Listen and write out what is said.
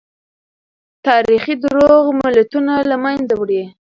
تاريخي دروغ ملتونه له منځه وړي.